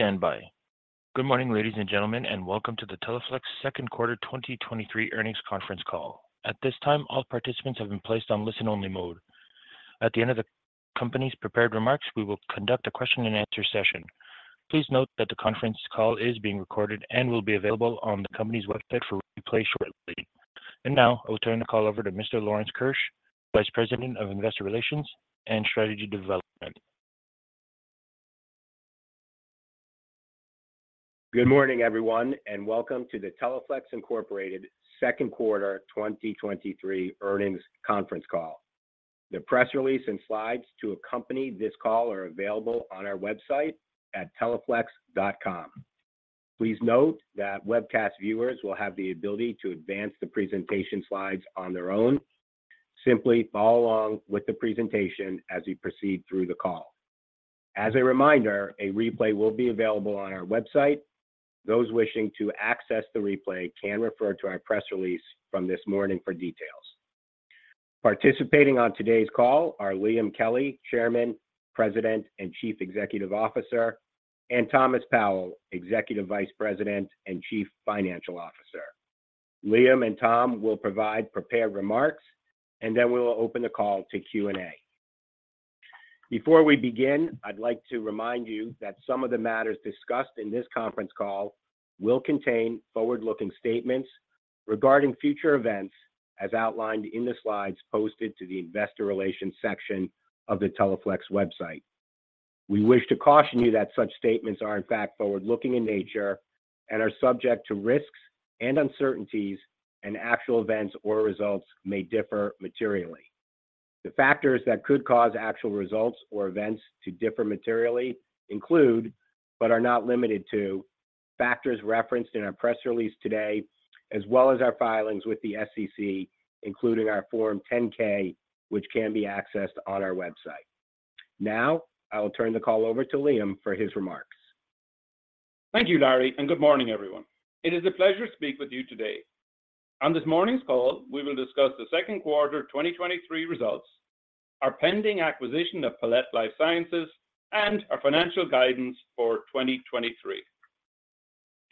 Standby. Good morning, ladies and gentlemen, welcome to the Teleflex second quarter 2023 earnings conference call. At this time, all participants have been placed on listen-only mode. At the end of the company's prepared remarks, we will conduct a question and answer session. Please note that the conference call is being recorded and will be available on the company's website for replay shortly. Now, I will turn the call over to Mr. Lawrence Keusch, Vice President of Investor Relations and Strategy Development. Good morning, everyone, and welcome to the Teleflex Incorporated Second Quarter 2023 Earnings Conference Call. The press release and slides to accompany this call are available on our website at teleflex.com. Please note that webcast viewers will have the ability to advance the presentation slides on their own. Simply follow along with the presentation as we proceed through the call. As a reminder, a replay will be available on our website. Those wishing to access the replay can refer to our press release from this morning for details. Participating on today's call are Liam Kelly, Chairman, President and Chief Executive Officer, and Thomas Powell, Executive Vice President and Chief Financial Officer. Liam and Tom will provide prepared remarks, and then we will open the call to Q&A. Before we begin, I'd like to remind you that some of the matters discussed in this conference call will contain forward-looking statements regarding future events, as outlined in the slides posted to the Investor Relations section of the Teleflex website. We wish to caution you that such statements are, in fact, forward-looking in nature and are subject to risks and uncertainties, actual events or results may differ materially. The factors that could cause actual results or events to differ materially include, but are not limited to, factors referenced in our press release today, as well as our filings with the SEC, including our Form 10-K, which can be accessed on our website. I will turn the call over to Liam for his remarks. Thank you, Larry. Good morning, everyone. It is a pleasure to speak with you today. On this morning's call, we will discuss the second quarter 2023 results, our pending acquisition of Palette Life Sciences, and our financial guidance for 2023.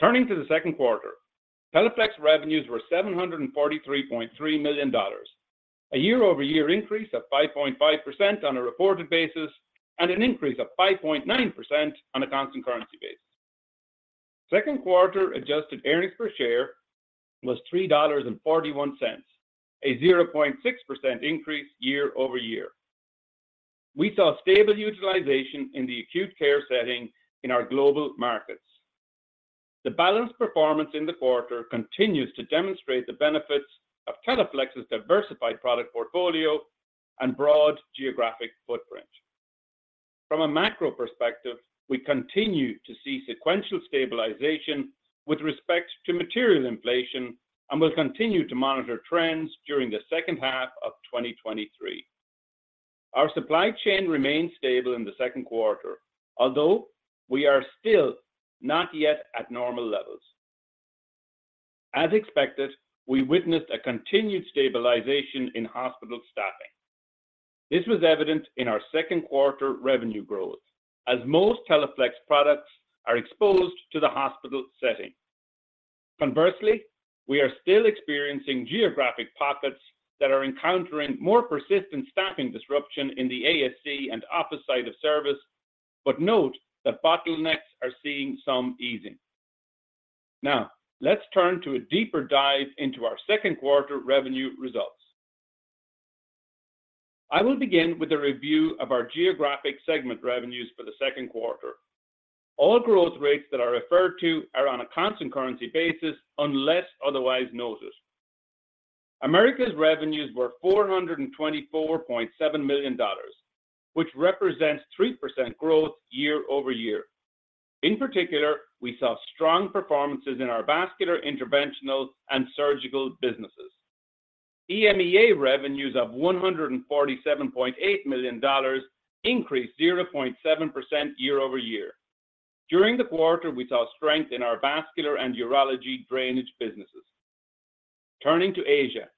Turning to the second quarter, Teleflex revenues were $743.3 million, a year-over-year increase of 5.5% on a reported basis and an increase of 5.9% on a constant currency basis. Second quarter adjusted earnings per share was $3.41, a 0.6% increase year-over-year. We saw stable utilization in the acute care setting in our global markets. The balanced performance in the quarter continues to demonstrate the benefits of Teleflex's diversified product portfolio and broad geographic footprint. From a macro perspective, we continue to see sequential stabilization with respect to material inflation and will continue to monitor trends during the second half of 2023. Our supply chain remained stable in the second quarter, although we are still not yet at normal levels. As expected, we witnessed a continued stabilization in hospital staffing. This was evident in our second quarter revenue growth, as most Teleflex products are exposed to the hospital setting. Conversely, we are still experiencing geographic pockets that are encountering more persistent staffing disruption in the ASC and office site of service, but note that bottlenecks are seeing some easing. Let's turn to a deeper dive into our second quarter revenue results. I will begin with a review of our geographic segment revenues for the second quarter. All growth rates that are referred to are on a constant currency basis, unless otherwise noted. Americas revenues were $424.7 million, which represents 3% growth year-over-year. In particular, we saw strong performances in our Vascular, Interventional, and Surgical businesses. EMEA revenues of $147.8 million increased 0.7% year-over-year. During the quarter, we saw strength in our Vascular and urology drainage businesses. Turning to Asia,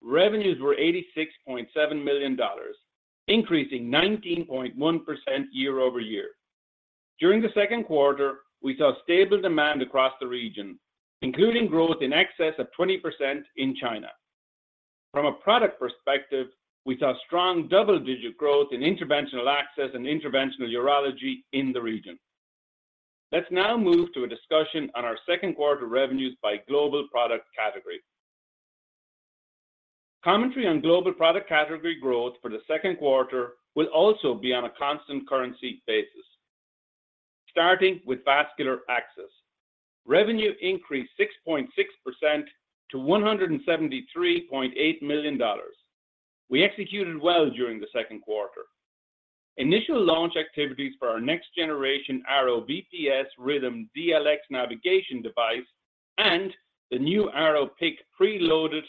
revenues were $86.7 million, increasing 19.1% year-over-year. During the second quarter, we saw stable demand across the region, including growth in excess of 20% in China. From a product perspective, we saw strong double-digit growth in Interventional Access and Interventional Urology in the region. Let's now move to a discussion on our second quarter revenues by global product category. Commentary on global product category growth for the second quarter will also be on a constant currency basis. Starting with Vascular Access, revenue increased 6.6% to $173.8 million. We executed well during the second quarter. Initial launch activities for our next generation Arrow VPS Rhythm DLX navigation device and the new Arrow PICC preloaded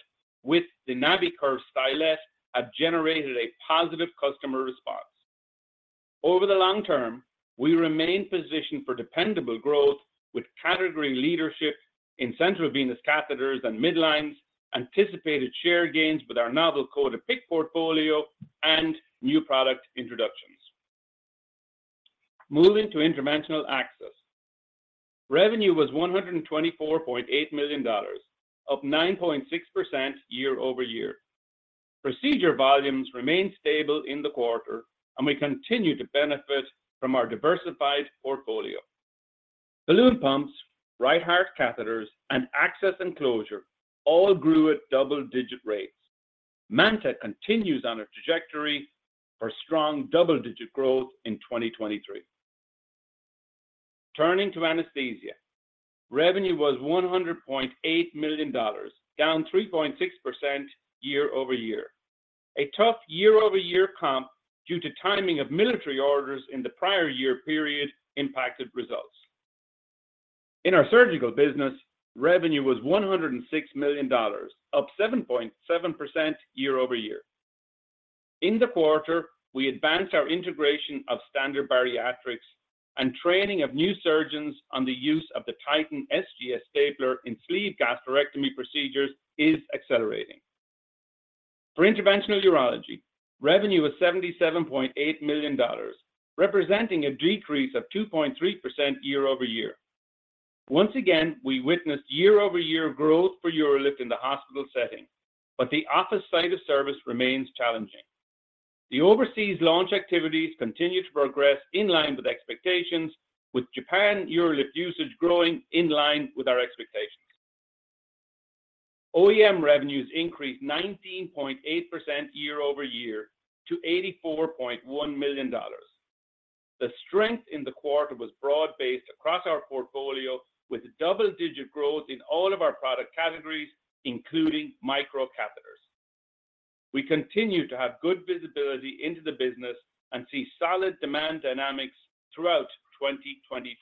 with the NaviCurve stylet have generated a positive customer response. Over the long term, we remain positioned for dependable growth, category leadership in central venous catheters and midlines, anticipated share gains with our novel coated PICC portfolio, and new product introductions. Moving to Interventional Access. Revenue was $124.8 million, up 9.6% year-over-year. Procedure volumes remained stable in the quarter, and we continue to benefit from our diversified portfolio. Balloon pumps, right heart catheters, and Access and Closure all grew at double-digit rates. MANTA continues on a trajectory for strong double-digit growth in 2023. Turning to Anesthesia. Revenue was $100.8 million, down 3.6% year-over-year. A tough year-over-year comp due to timing of military orders in the prior year period impacted results. In our Surgical business, revenue was $106 million, up 7.7% year-over-year. In the quarter, we advanced our integration of Standard Bariatrics and training of new surgeons on the use of the Titan SGS stapler in sleeve gastrectomy procedures is accelerating. For Interventional Urology, revenue was $77.8 million, representing a decrease of 2.3% year-over-year. Once again, we witnessed year-over-year growth for UroLift in the hospital setting, but the office site of service remains challenging. The overseas launch activities continue to progress in line with expectations, with Japan UroLift usage growing in line with our expectations. OEM revenues increased 19.8% year-over-year to $84.1 million. The strength in the quarter was broad-based across our portfolio, with double-digit growth in all of our product categories, including microcatheters. We continue to have good visibility into the business and see solid demand dynamics throughout 2023.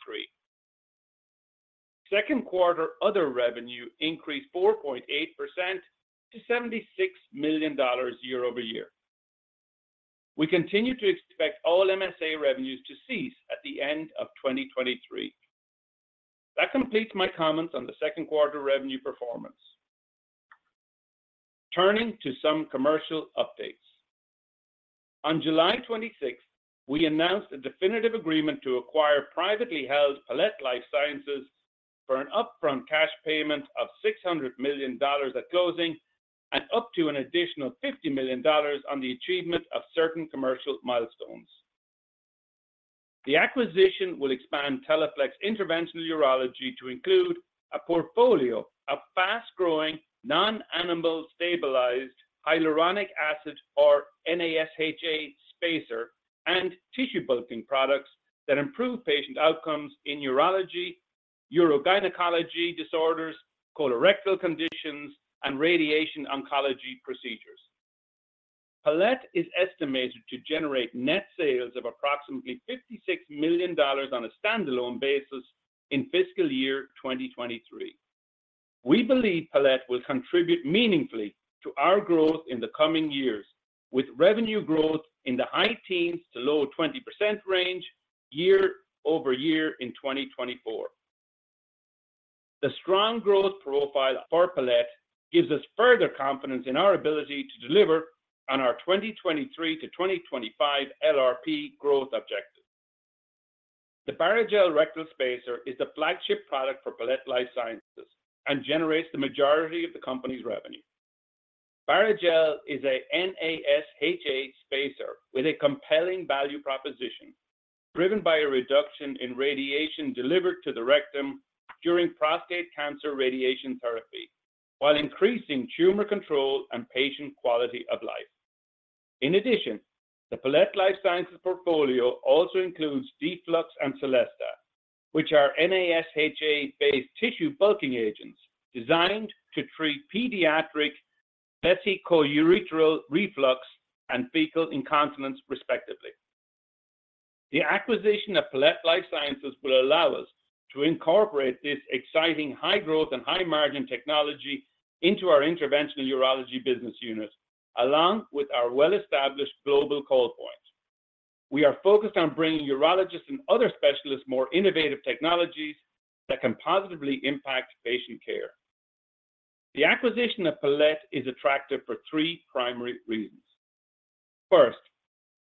Second quarter Other revenue increased 4.8% to $76 million year-over-year. We continue to expect all MSA revenues to cease at the end of 2023. That completes my comments on the second quarter revenue performance. Turning to some commercial updates. July 26, we announced a definitive agreement to acquire privately held Palette Life Sciences for an upfront cash payment of $600 million at closing and up to an additional $50 million on the achievement of certain commercial milestones. The acquisition will expand Teleflex Interventional Urology to include a portfolio of fast-growing, Non-Animal Stabilized Hyaluronic Acid, or NASHA spacer, and tissue bulking products that improve patient outcomes in urology, urogynecology disorders, colorectal conditions, and radiation oncology procedures. Palette is estimated to generate net sales of approximately $56 million on a standalone basis in fiscal year 2023. We believe Palette will contribute meaningfully to our growth in the coming years, with revenue growth in the high-teens to low 20% range year-over-year in 2024. The strong growth profile for Palette gives us further confidence in our ability to deliver on our 2023-2025 LRP growth objectives. The Barrigel rectal spacer is the flagship product for Palette Life Sciences and generates the majority of the company's revenue. Barrigel is a NASHA spacer with a compelling value proposition, driven by a reduction in radiation delivered to the rectum during prostate cancer radiation therapy, while increasing tumor control and patient quality of life. In addition, the Palette Life Sciences portfolio also includes Deflux and Solesta, which are NASHA-based tissue bulking agents designed to treat pediatric vesicoureteral reflux and fecal incontinence, respectively. The acquisition of Palette Life Sciences will allow us to incorporate this exciting high-growth and high-margin technology into our Interventional Urology business unit, along with our well-established global call points. We are focused on bringing urologists and other specialists more innovative technologies that can positively impact patient care. The acquisition of Palette is attractive for three primary reasons. First,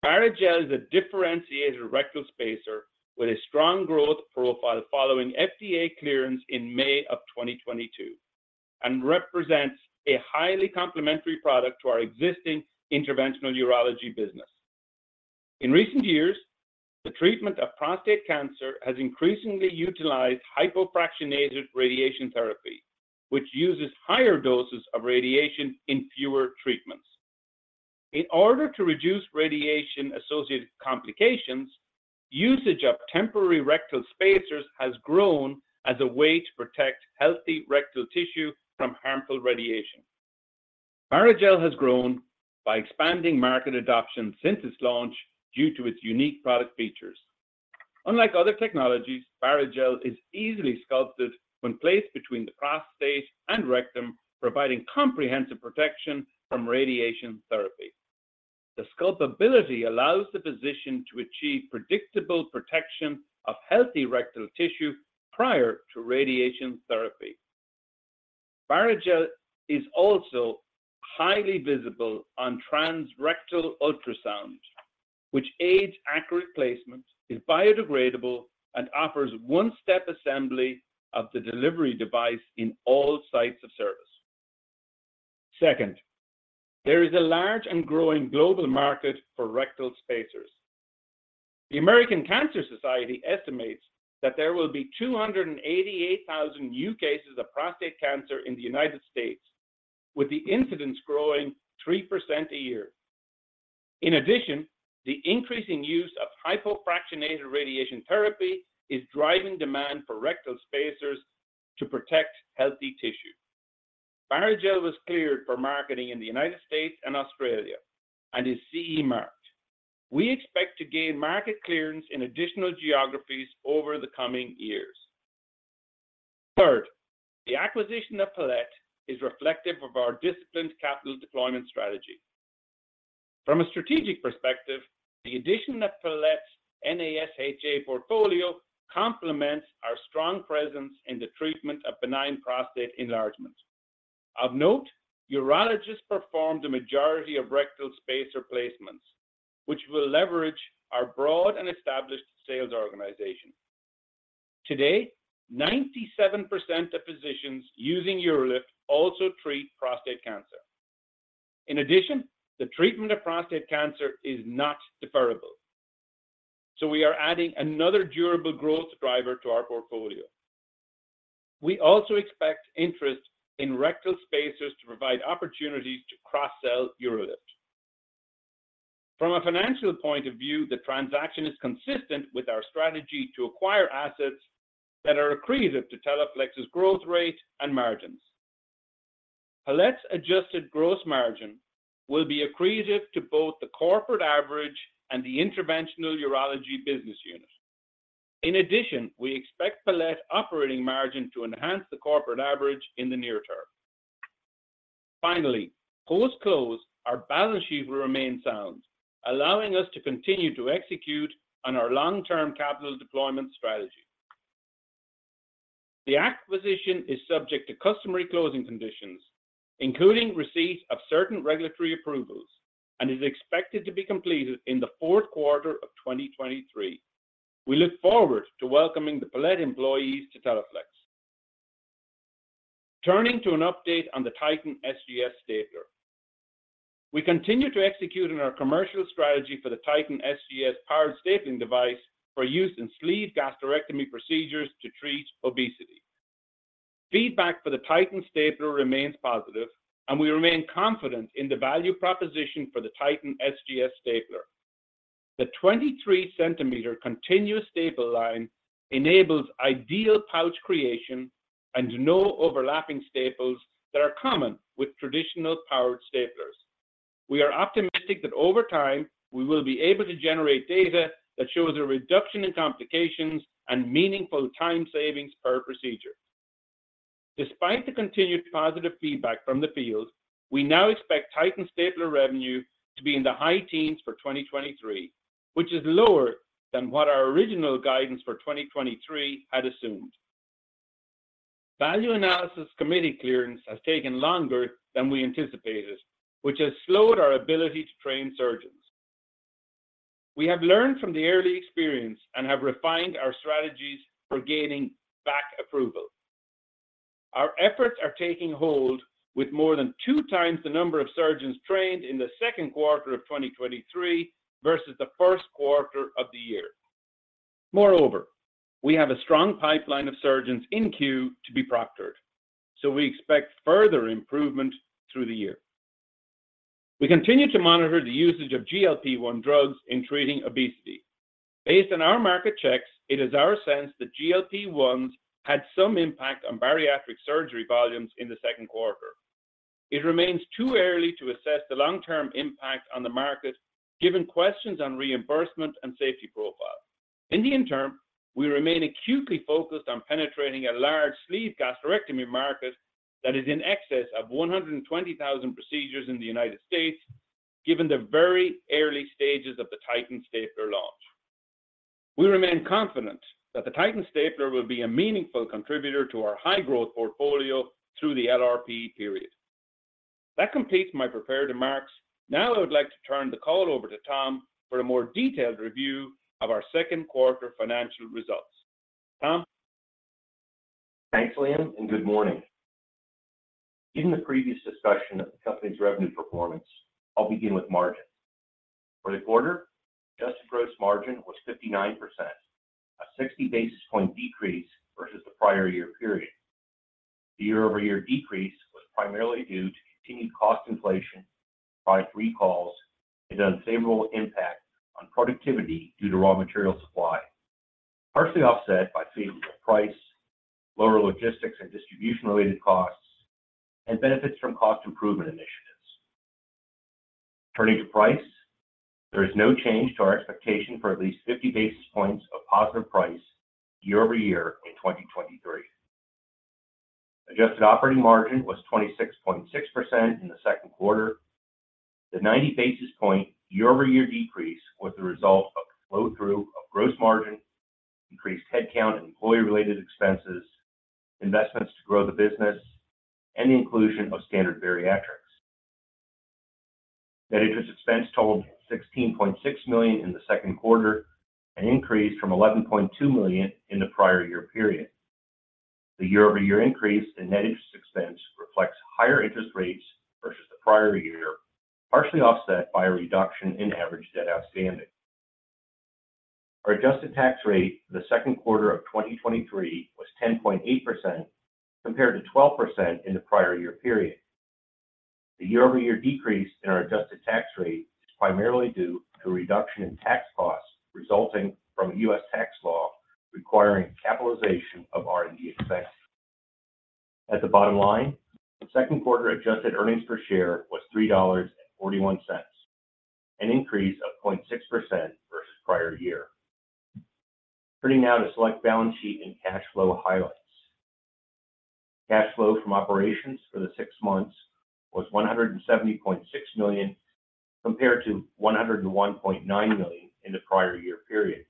Barrigel is a differentiated rectal spacer with a strong growth profile following FDA clearance in May of 2022 and represents a highly complementary product to our existing Interventional Urology business. In recent years, the treatment of prostate cancer has increasingly utilized hypofractionated radiation therapy, which uses higher doses of radiation in fewer treatments. In order to reduce radiation-associated complications, usage of temporary rectal spacers has grown as a way to protect healthy rectal tissue from harmful radiation. Barrigel has grown by expanding market adoption since its launch due to its unique product features. Unlike other technologies, Barrigel is easily sculpted when placed between the prostate and rectum, providing comprehensive protection from radiation therapy.... The sculpt ability allows the physician to achieve predictable protection of healthy rectal tissue prior to radiation therapy. Barrigel is also highly visible on transrectal ultrasound, which aids accurate placement, is biodegradable, and offers one-step assembly of the delivery device in all sites of service. Second, there is a large and growing global market for rectal spacers. The American Cancer Society estimates that there will be 288,000 new cases of prostate cancer in the United States, with the incidence growing 3% a year. In addition, the increasing use of hypofractionated radiation therapy is driving demand for rectal spacers to protect healthy tissue. Barrigel was cleared for marketing in the United States and Australia and is CE Marked. We expect to gain market clearance in additional geographies over the coming years. Third, the acquisition of Palette is reflective of our disciplined capital deployment strategy. From a strategic perspective, the addition of Palette's NASHA portfolio complements our strong presence in the treatment of benign prostate enlargement. Of note, urologists perform the majority of rectal spacer placements, which will leverage our broad and established sales organization. Today, 97% of physicians using UroLift also treat prostate cancer. In addition, the treatment of prostate cancer is not deferrable, so we are adding another durable growth driver to our portfolio. We also expect interest in rectal spacers to provide opportunities to cross-sell UroLift. From a financial point of view, the transaction is consistent with our strategy to acquire assets that are accretive to Teleflex's growth rate and margins. Palette's adjusted gross margin will be accretive to both the corporate average and the Interventional Urology business unit. In addition, we expect Palette operating margin to enhance the corporate average in the near term. Finally, post-close, our balance sheet will remain sound, allowing us to continue to execute on our long-term capital deployment strategy. The acquisition is subject to customary closing conditions, including receipt of certain regulatory approvals, and is expected to be completed in the fourth quarter of 2023. We look forward to welcoming the Palette employees to Teleflex. Turning to an update on the Titan SGS stapler. We continue to execute on our commercial strategy for the Titan SGS powered stapling device for use in sleeve gastrectomy procedures to treat obesity. Feedback for the Titan stapler remains positive, and we remain confident in the value proposition for the Titan SGS stapler. The 23-centimeter continuous staple line enables ideal pouch creation and no overlapping staples that are common with traditional powered staplers. We are optimistic that over time, we will be able to generate data that shows a reduction in complications and meaningful time savings per procedure. Despite the continued positive feedback from the field, we now expect Titan stapler revenue to be in the high teens for 2023, which is lower than what our original guidance for 2023 had assumed. Value Analysis Committee clearance has taken longer than we anticipated, which has slowed our ability to train surgeons. We have learned from the early experience and have refined our strategies for gaining back approval. Our efforts are taking hold with more than 2 times the number of surgeons trained in the second quarter of 2023 versus the first quarter of the year. Moreover, we have a strong pipeline of surgeons in queue to be proctored, so we expect further improvement through the year. We continue to monitor the usage of GLP-1 drugs in treating obesity. Based on our market checks, it is our sense that GLP-1s had some impact on bariatric surgery volumes in the second quarter. It remains too early to assess the long-term impact on the market, given questions on reimbursement and safety profile. In the interim, we remain acutely focused on penetrating a large sleeve gastrectomy market that is in excess of 120,000 procedures in the United States, given the very early stages of the Titan stapler launch. We remain confident that the Titan stapler will be a meaningful contributor to our high-growth portfolio through the LRP period. That completes my prepared remarks. Now, I would like to turn the call over to Tom for a more detailed review of our second quarter financial results. Tom? Thanks, Liam. Good morning. Given the previous discussion of the company's revenue performance, I'll begin with margin. For the quarter, adjusted gross margin was 59%, a 60 basis point decrease versus the prior year period. The year-over-year decrease was primarily due to continued cost inflation, product recalls, and unfavorable impact on productivity due to raw material supply, partially offset by favorable price, lower logistics and distribution-related costs, and benefits from cost improvement initiatives. Turning to price, there is no change to our expectation for at least 50 basis points of positive price year-over-year in 2023. Adjusted operating margin was 26.6% in the second quarter. The 90 basis point year-over-year decrease was the result of the flow-through of gross margin, increased headcount and employee-related expenses, investments to grow the business, and the inclusion of Standard Bariatrics. Net interest expense totaled $16.6 million in the second quarter, an increase from $11.2 million in the prior year period. The year-over-year increase in net interest expense reflects higher interest rates versus the prior year, partially offset by a reduction in average debt outstanding. Our adjusted tax rate for the second quarter of 2023 was 10.8%, compared to 12% in the prior year period. The year-over-year decrease in our adjusted tax rate is primarily due to a reduction in tax costs resulting from U.S. tax law requiring capitalization of R&D expenses. At the bottom line, the second quarter adjusted earnings per share was $3.41, an increase of 0.6% versus prior year. Turning now to select balance sheet and cash flow highlights. Cash flow from operations for the six months was $170.6 million, compared to $101.9 million in the prior year period.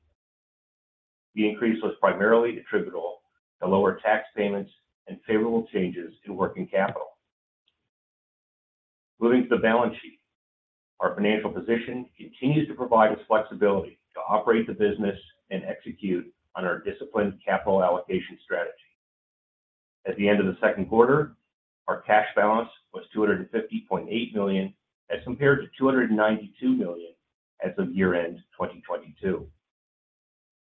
The increase was primarily attributable to lower tax payments and favorable changes in working capital. Moving to the balance sheet, our financial position continues to provide us flexibility to operate the business and execute on our disciplined capital allocation strategy. At the end of the second quarter, our cash balance was $250.8 million, as compared to $292 million as of year-end 2022.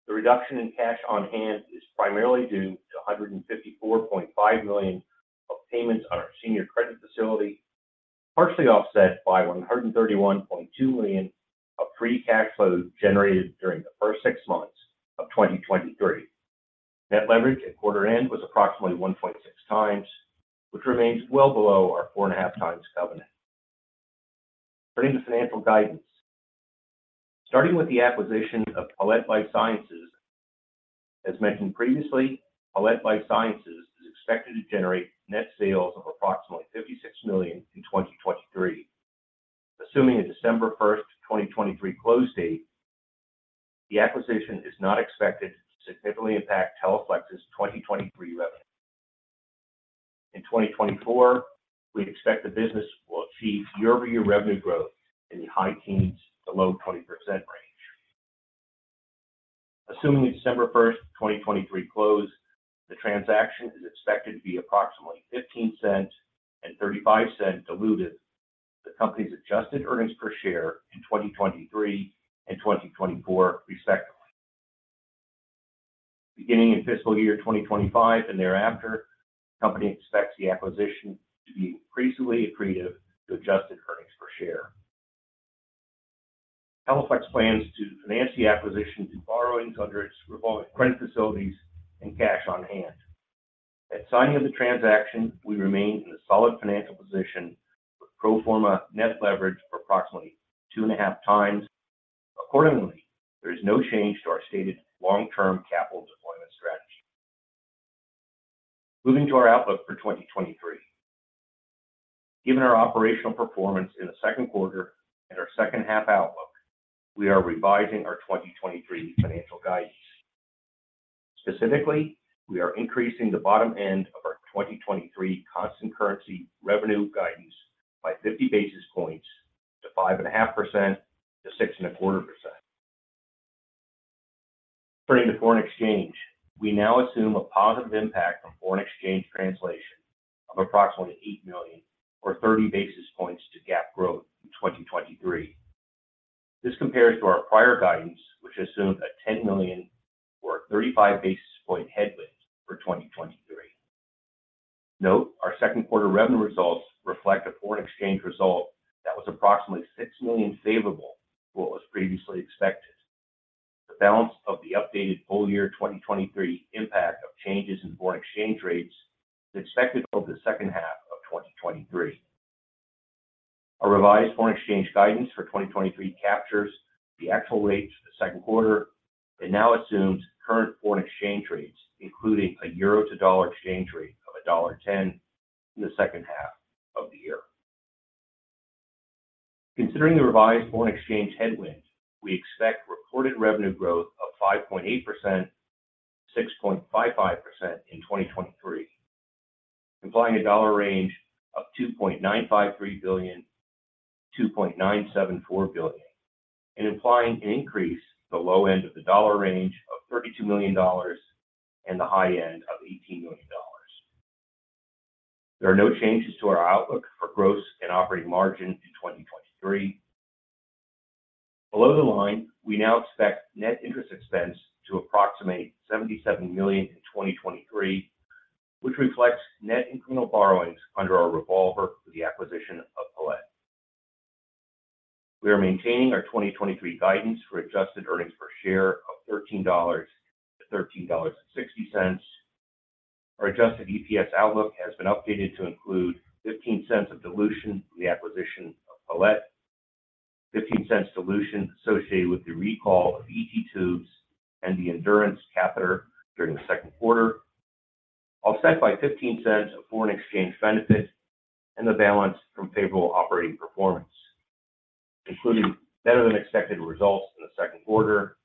The reduction in cash on hand is primarily due to $154.5 million of payments on our senior credit facility, partially offset by $131.2 million of free cash flow generated during the first six months of 2023. Net leverage at quarter end was approximately 1.6 times, which remains well below our 4.5 times covenant. Turning to financial guidance. Starting with the acquisition of Palette Life Sciences. As mentioned previously, Palette Life Sciences is expected to generate net sales of approximately $56 million in 2023. Assuming a December 1st, 2023 close date, the acquisition is not expected to significantly impact Teleflex's 2023 revenue. In 2024, we expect the business will achieve year-over-year revenue growth in the high-teens to low 20% range. Assuming the December 1st, 2023 close, the transaction is expected to be approximately $0.15 and $0.35 diluted, the company's adjusted earnings per share in 2023 and 2024, respectively. Beginning in fiscal year 2025 and thereafter, the company expects the acquisition to be increasingly accretive to adjusted earnings per share. Teleflex plans to finance the acquisition through borrowings under its revolving credit facilities and cash on hand. At signing of the transaction, we remain in a solid financial position, with pro forma net leverage of approximately 2.5x. There is no change to our stated long-term capital deployment strategy. Moving to our outlook for 2023. Given our operational performance in the second quarter and our second half outlook, we are revising our 2023 financial guidance. Specifically, we are increasing the bottom end of our 2023 constant currency revenue guidance by 50 basis points to 5.5%-6.25%. Turning to foreign exchange, we now assume a positive impact from foreign exchange translation of approximately $8 million or 30 basis points to GAAP growth in 2023. This compares to our prior guidance, which assumed a $10 million or 35 basis point headwind for 2023. Note, our second quarter revenue results reflect a foreign exchange result that was approximately $6 million favorable to what was previously expected. The balance of the updated full year 2023 impact of changes in foreign exchange rates is expected over the second half of 2023. Our revised foreign exchange guidance for 2023 captures the actual rates for the second quarter and now assumes current foreign exchange rates, including a euro to dollar exchange rate of $1.10 in the second half of the year. Considering the revised foreign exchange headwind, we expect recorded revenue growth of 5.8%-6.55% in 2023, implying a dollar range of $2.953 billion-$2.974 billion, implying an increase at the low end of the dollar range of $32 million and the high end of $18 million. There are no changes to our outlook for gross and operating margin in 2023. Below the line, we now expect net interest expense to approximate $77 million in 2023, which reflects net incremental borrowings under our revolver for the acquisition of Palette. We are maintaining our 2023 guidance for adjusted earnings per share of $13-$13.60. Our adjusted EPS outlook has been updated to include $0.15 of dilution from the acquisition of Palette. $0.15 dilution associated with the recall of ET tubes and the Endurance catheter during the second quarter, offset by $0.15 of foreign exchange benefit and the balance from favorable operating performance, including better-than-expected results in the second quarter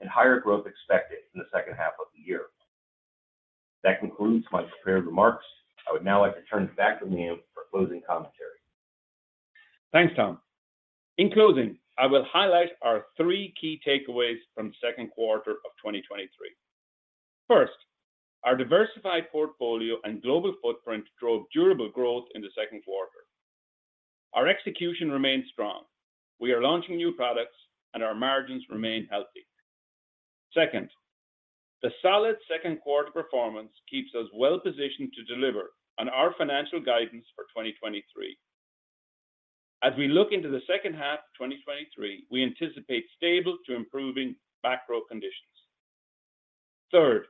and higher growth expected in the second half of the year. That concludes my prepared remarks. I would now like to turn it back to Liam for closing commentary. Thanks, Tom. In closing, I will highlight our three key takeaways from second quarter of 2023. First, our diversified portfolio and global footprint drove durable growth in the second quarter. Our execution remains strong. We are launching new products, and our margins remain healthy. Second, the solid second-quarter performance keeps us well-positioned to deliver on our financial guidance for 2023. As we look into the second half of 2023, we anticipate stable to improving macro conditions. Third,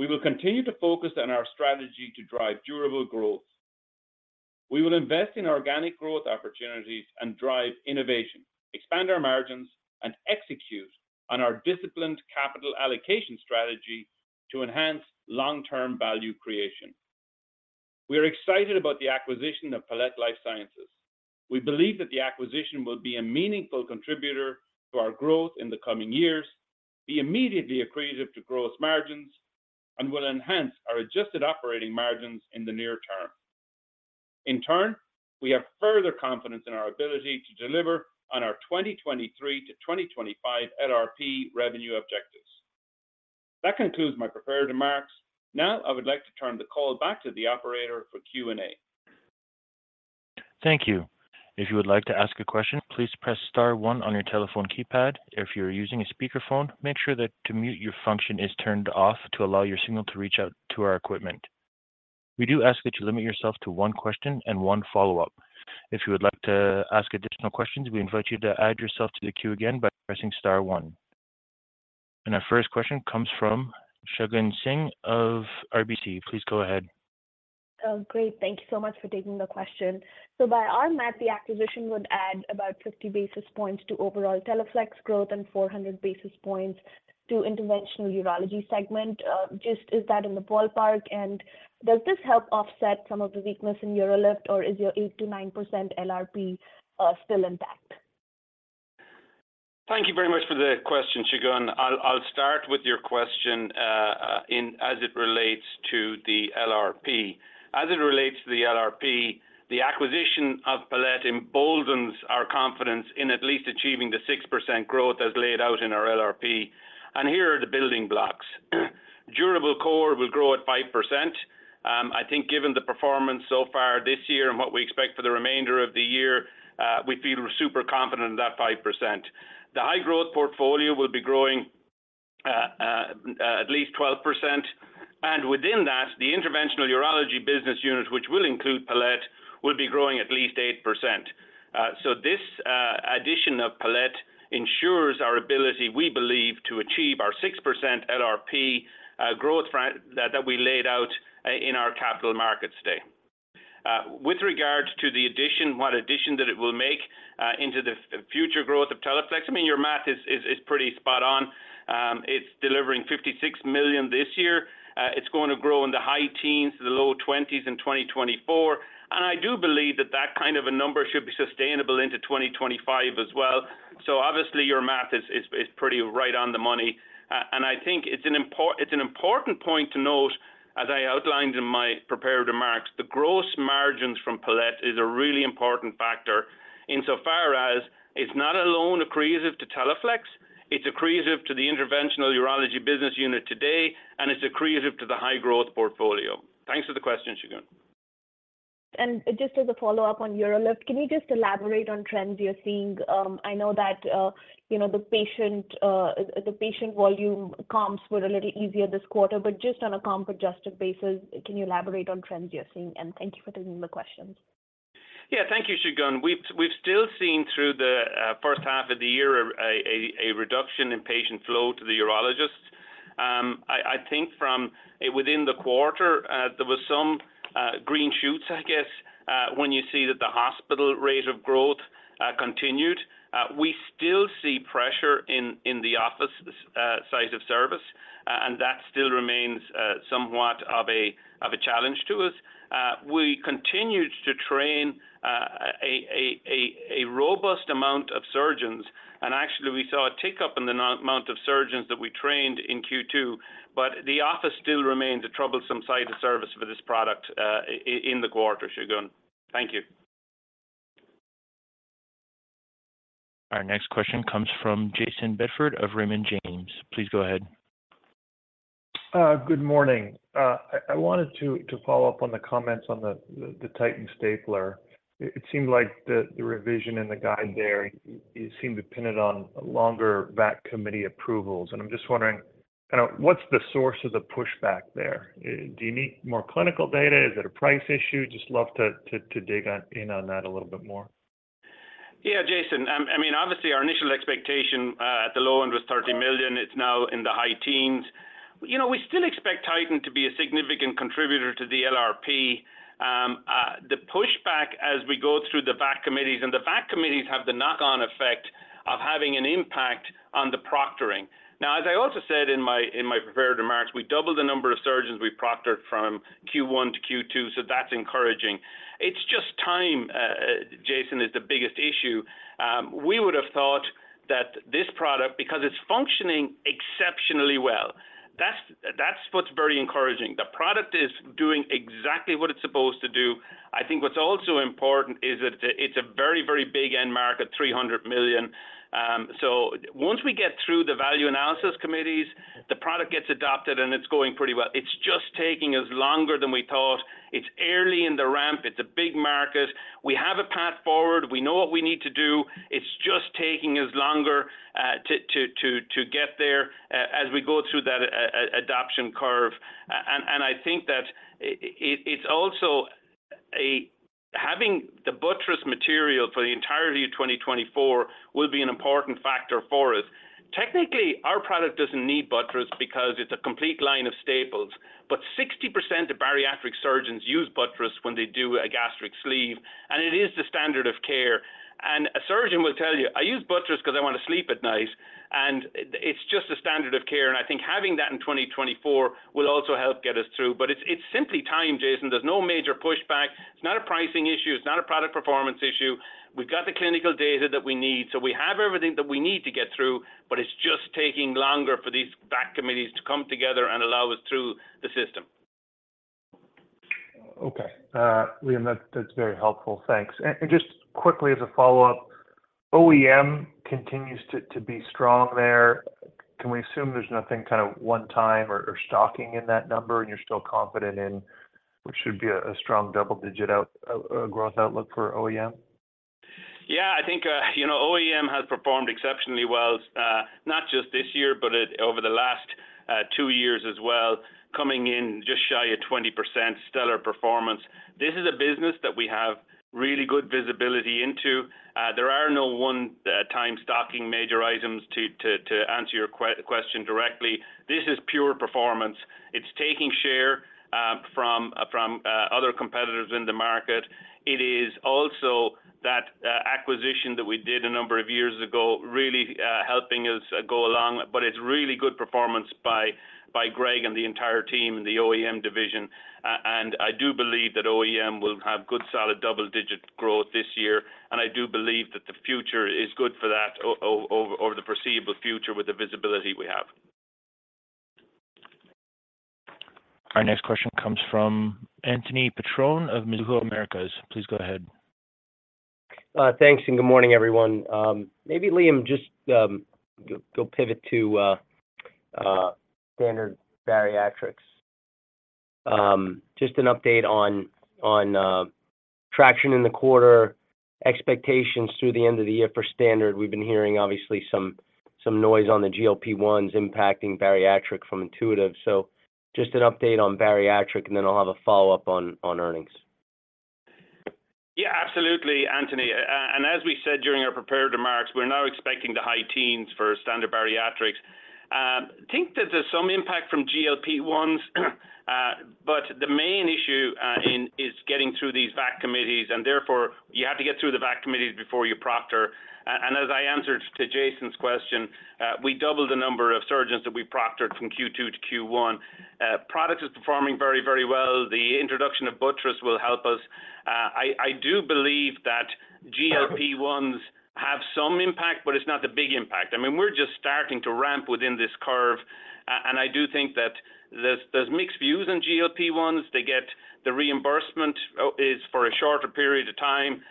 we will continue to focus on our strategy to drive durable growth. We will invest in organic growth opportunities and drive innovation, expand our margins, and execute on our disciplined capital allocation strategy to enhance long-term value creation. We are excited about the acquisition of Palette Life Sciences. We believe that the acquisition will be a meaningful contributor to our growth in the coming years, be immediately accretive to gross margins, and will enhance our adjusted operating margins in the near term. In turn, we have further confidence in our ability to deliver on our 2023-2025 LRP revenue objectives. That concludes my prepared remarks. I would like to turn the call back to the operator for Q&A. Thank you. If you would like to ask a question, please press star one on your telephone keypad. If you are using a speakerphone, make sure that to mute your function is turned off to allow your signal to reach out to our equipment. We do ask that you limit yourself to one question and one follow-up. If you would like to ask additional questions, we invite you to add yourself to the queue again by pressing star one. Our first question comes from Shagun Singh of RBC. Please go ahead. Great, thank you so much for taking the question. By our math, the acquisition would add about 50 basis points to overall Teleflex growth and 400 basis points to Interventional Urology segment. Just is that in the ballpark? Does this help offset some of the weakness in UroLift, or is your 8%-9% LRP still intact? Thank you very much for the question, Shagun. I'll, I'll start with your question in as it relates to the LRP. As it relates to the LRP, the acquisition of Palette emboldens our confidence in at least achieving the 6% growth as laid out in our LRP. Here are the building blocks. Durable core will grow at 5%. I think given the performance so far this year and what we expect for the remainder of the year, we feel super confident in that 5%. The high-growth portfolio will be growing at least 12%, and within that, the Interventional Urology business unit, which will include Palette, will be growing at least 8%. So this addition of Palette ensures our ability, we believe, to achieve our 6% LRP growth that, that we laid out in our capital markets day. With regard to the addition, what addition that it will make into the future growth of Teleflex, I mean, your math is, is, is pretty spot on. It's delivering $56 million this year. It's going to grow in the high-teens to the low 20s in 2024, and I do believe that that kind of a number should be sustainable into 2025 as well. Obviously, your math is, is, is pretty right on the money. I think it's an important point to note, as I outlined in my prepared remarks, the gross margins from Palette is a really important factor insofar as it's not alone accretive to Teleflex, it's accretive to the Interventional Urology business unit today, and it's accretive to the high-growth portfolio. Thanks for the question, Shagun. Just as a follow-up on UroLift, can you just elaborate on trends you're seeing? I know that, you know, the patient, the patient volume comps were a little easier this quarter, but just on a comp adjusted basis, can you elaborate on trends you're seeing? Thank you for taking the questions. Yeah. Thank you, Shagun. We've still seen through the first half of the year a reduction in patient flow to the urologist. I think from within the quarter, there was some green shoots, I guess, when you see that the hospital rate of growth continued. We still see pressure in the office site of service, and that still remains somewhat of a challenge to us. We continued to train a robust amount of surgeons, and actually, we saw a tick-up in the amount of surgeons that we trained in Q2. The office still remains a troublesome site of service for this product in the quarter, Shagun. Thank you. Our next question comes from Jayson Bedford of Raymond James. Please go ahead. Good morning. I wanted to follow up on the comments on the Titan stapler. It seemed like the revision and the guide there, it seemed dependent on longer VAC committee approvals, and I'm just wondering, kind of what's the source of the pushback there? Do you need more clinical data? Is it a price issue? Just love to dig on in on that a little bit more. Yeah, Jayson. I mean, obviously our initial expectation at the low end was $30 million. It's now in the high teens. You know, we still expect Titan to be a significant contributor to the LRP. The pushback as we go through the VAC committees, and the VAC committees have the knock-on effect of having an impact on the proctoring. Now, as I also said in my prepared remarks, we doubled the number of surgeons we proctored from Q1 to Q2, so that's encouraging. It's just time, Jayson, is the biggest issue. We would have thought that this product, because it's functioning exceptionally well, that's, that's what's very encouraging. The product is doing exactly what it's supposed to do. I think what's also important is that it's a very, very big end market, $300 million. Once we get through the Value Analysis Committees, the product gets adopted, and it's going pretty well. It's just taking us longer than we thought. It's early in the ramp. It's a big market. We have a path forward. We know what we need to do. It's just taking us longer to get there as we go through that adoption curve. And I think that it's also having the buttress material for the entirety of 2024 will be an important factor for us. Technically, our product doesn't need buttress because it's a complete line of staples. 60% of bariatric surgeons use buttress when they do a gastric sleeve. It is the standard of care. A surgeon will tell you, "I use buttress because I want to sleep at night." It's just a standard of care, and I think having that in 2024 will also help get us through. It's simply time, Jayson. There's no major pushback. It's not a pricing issue, it's not a product performance issue. We've got the clinical data that we need, so we have everything that we need to get through, but it's just taking longer for these VAC committees to come together and allow us through the system. Okay. Liam, that's, that's very helpful. Thanks. Just quickly as a follow-up, OEM continues to, to be strong there. Can we assume there's nothing kind of one-time or, or stocking in that number, and you're still confident in what should be a, a strong double-digit out- growth outlook for OEM? Yeah, I think, you know, OEM has performed exceptionally well, not just this year, but it over the last two years as well, coming in just shy of 20% stellar performance. This is a business that we have really good visibility into. There are no one time stocking major items to answer your question directly. This is pure performance. It's taking share from other competitors in the market. It is also that acquisition that we did a number of years ago, really helping us go along, but it's really good performance by Greg and the entire team in the OEM division. I do believe that OEM will have good, solid double-digit growth this year, and I do believe that the future is good for that over the foreseeable future with the visibility we have. Our next question comes from Anthony Petrone of Mizuho Americas. Please go ahead. Thanks, and good morning, everyone. Maybe, Liam, just go, go pivot to Standard Bariatrics. Just an update on traction in the quarter, expectations through the end of the year for Standard. We've been hearing, obviously, some noise on the GLP-1s impacting bariatric from Intuitive. Just an update on bariatric, and then I'll have a follow-up on earnings. Yeah, absolutely, Anthony. As we said during our prepared remarks, we're now expecting the high teens for Standard Bariatrics. I think that there's some impact from GLP-1s, but the main issue is getting through these VAC committees. Therefore, you have to get through the VAC committees before you proctor. As I answered to Jayson's question, we doubled the number of surgeons that we proctored from Q2 to Q1. Product is performing very, very well. The introduction of buttress will help us. I do believe that GLP-1s have some impact, but it's not the big impact. I mean, we're just starting to ramp within this curve, and I do think that there's, there's mixed views on GLP-1s. They get the reimbursement is for a shorter period of time.